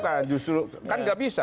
karena justru kan enggak bisa